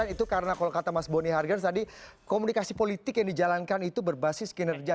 itu karena kalau kata mas boni hargan tadi komunikasi politik yang dijalankan itu berbasis kinerja